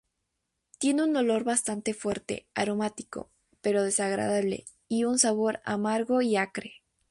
Tiene un olor bastante fuerte aromático, pero desagradable y un sabor amargo y acre.